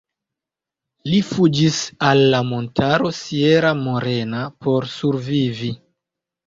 Li fuĝis al la montaro Sierra Morena por survivi.